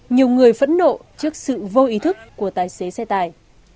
nhiều người phẫn nộ trước sự vô ý thức của tài xế xe tải